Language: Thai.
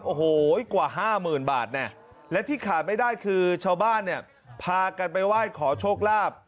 โอ้โหกว่า๕๐๐๐๐บาทและที่ขาดไม่ได้คือชาวบ้านพากันไปไหว้ขอโชคลาภ